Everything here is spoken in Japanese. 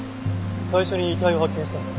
最初に遺体を発見したのは？